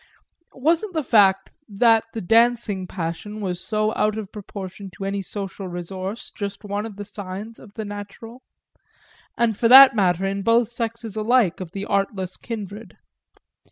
Wasn't the fact that the dancing passion was so out of proportion to any social resource just one of the signs of the natural? and for that matter in both sexes alike of the artless kindred.